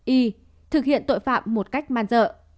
i thực hiện tội phạm một cách man dợ